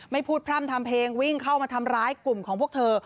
ไม่พูดพร่ำทำเพลงวิ่งเข้ามาทำร้ายกลุ่มของพวกเธอ